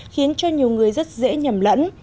khiến cho nhiều người rất dễ nhầm lẫn